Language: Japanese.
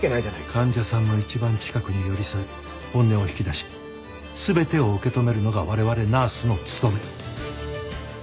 患者さんの一番近くに寄り添い本音を引き出し全てを受け止めるのが我々ナースの務め。